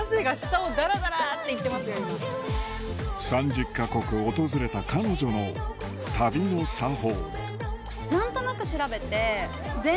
３０か国訪れた彼女の旅の作法